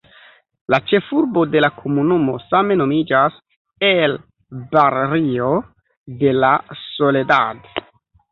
La ĉefurbo de la komunumo same nomiĝas "El Barrio de la Soledad".